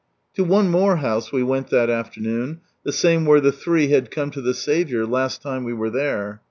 To one more house we went that afternoon, the same where the three had come to the Saviour last lime we were there.